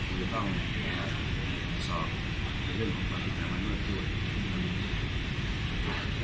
สุดท้ายก็ผมจะต้องสอบในเรื่องของความคิดของมนุษย์ด้วย